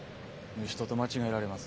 盗人と間違えられます。